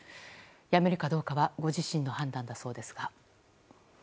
辞めるかどうかはご自身の判断だそうですが。